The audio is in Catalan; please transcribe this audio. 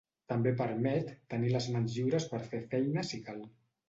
També permet tenir les mans lliures per fer feina si cal.